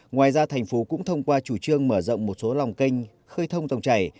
ngoài ra thành phố cũng thông qua chủ trương mở rộng một số lòng kênh khơi thông dòng chảy